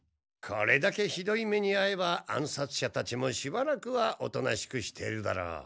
これだけひどい目にあえば暗殺者たちもしばらくはおとなしくしてるだろう。